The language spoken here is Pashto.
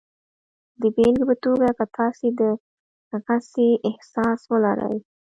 د بېلګې په توګه که تاسې د غسې احساس ولرئ